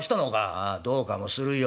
「ああどうかもするよ。